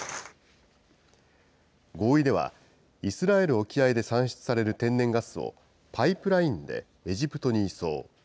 合意では、イスラエル沖合で産出される天然ガスをパイプラインでエジプトに移送。